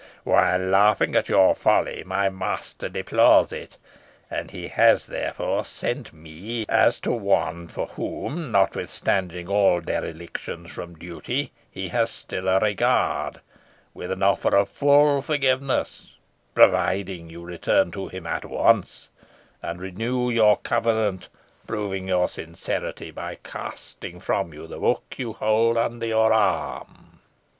While laughing at your folly, my master deplores it; and he has, therefore, sent me as to one for whom notwithstanding all derelictions from duty, he has still a regard, with an offer of full forgiveness, provided you return to him at once, and renew your covenant, proving your sincerity by casting from you the book you hold under your arm."